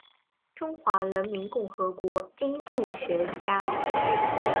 中华人民共和国音韵学家。